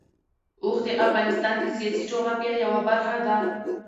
اوښ د افغانستان د سیاسي جغرافیه یوه برخه ده.